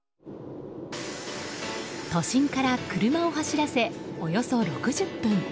都心から車を走らせおよそ６０分。